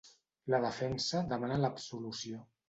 La defensa demana l’absolució.